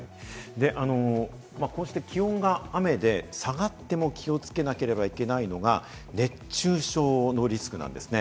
こうして気温が雨で下がっても気をつけなければいけないのが熱中症のリスクです。